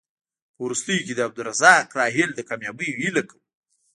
په وروستیو کې د عبدالرزاق راحل د کامیابیو هیله کوو.